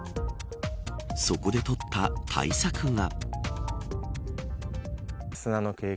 そこで取った対策が。